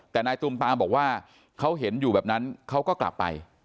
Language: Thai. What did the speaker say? แต่นายตูมตามบอกว่าเขาเห็นอยู่แบบนั้นเขาก็กลับไป